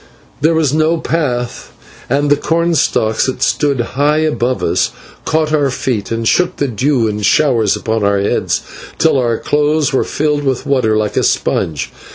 There was no path, and the cornstalks, that stood high above us, caught our feet and shook the dew in showers upon our heads, till our clothes were filled with water like a sponge.